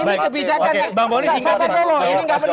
ini kebijakan ini gak benar